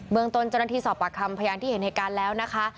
ตนเจ้าหน้าที่สอบปากคำพยานที่เห็นเหตุการณ์แล้วนะคะ